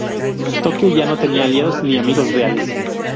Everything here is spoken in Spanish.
Tokio ya no tenía aliados ni amigos reales.